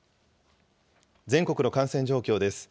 全国の感染状況です。